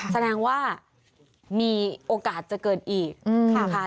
แสดงว่ามีโอกาสจะเกินอีกนะคะ